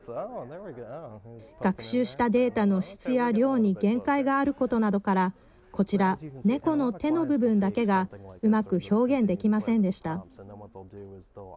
学習したデータの質や量に限界があることなどからこちら、猫の手の部分だけがうまく表現できませんでした。